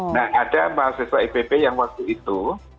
nah ada mahasiswa ipp yang waktu itu